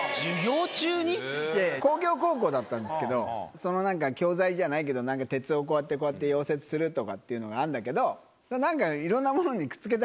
そのなんか教材じゃないけど鉄をこうやってこうやって溶接するとかっていうのがあるんだけどなんか。